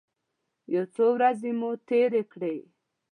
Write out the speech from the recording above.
یو څو ورځې مو تېرې کړې.